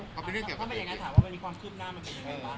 ถ้าเป็นอย่างนั้นถามว่ามันมีความคืบหน้ามันเป็นเรื่องบ้าง